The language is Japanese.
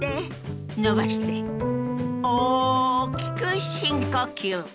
大きく深呼吸。